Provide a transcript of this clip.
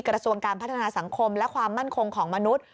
กระทรวงการพัฒนาสังคมและความมั่นคงของมนุษย์